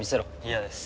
嫌です。